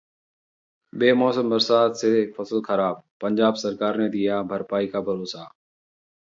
बेमौसम बरसात से फसल खराब, पंजाब सरकार ने दिया भरपाई का भरोसा